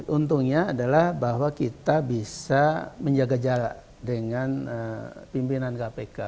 untungnya adalah bahwa kita bisa menjaga jarak dengan pimpinan kpk